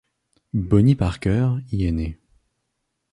Bonnie Parker y est née.